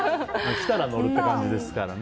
来たら乗るっていう感じですからね。